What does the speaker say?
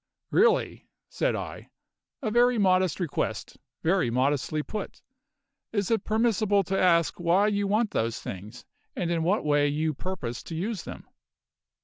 "Really!" said I. "A very modest request, very modestly put. Is it permissible to ask why you want those things, and in what way you purpose to use them?"